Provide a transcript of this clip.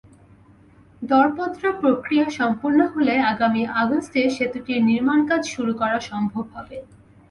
দরপত্র প্রক্রিয়া সম্পন্ন হলে আগামী আগস্টে সেতুটির নির্মাণকাজ শুরু করা সম্ভব হবে।